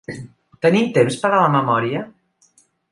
Tenim temps per a la memòria?